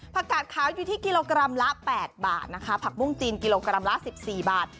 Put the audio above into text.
กาดขาวอยู่ที่กิโลกรัมละ๘บาทนะคะผักบุ้งจีนกิโลกรัมละ๑๔บาท